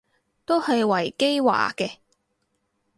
都係維基話嘅